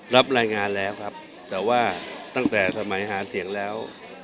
รับรายงานแล้วครับแต่ว่าตั้งแต่สมัยหาเสียงแล้ว